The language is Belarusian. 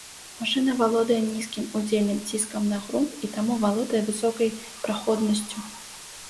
Машына валодае нізкім удзельным ціскам на грунт і таму валодае высокай праходнасцю.